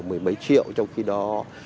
mười mấy triệu trong khi đó